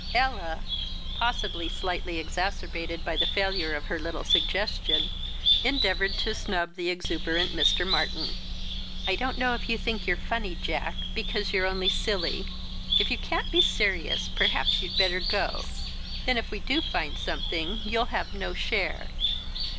Ella, possibly slightly exacerbated by the failure of her little suggestion, endeavoured to snub the exuberant Mr. Martyn. "I don't know if you think you're funny, Jack, because you're only silly. If you can't be serious, perhaps you'd better go; then, if we do find something, you'll have no share."